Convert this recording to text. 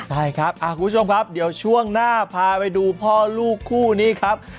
ใช่ครับคุณผู้ชมครับเดี๋ยวช่วงหน้าพาไปดูพ่อลูกคู่นี้ครับ